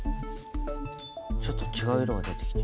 ちょっと違う色が出てきた。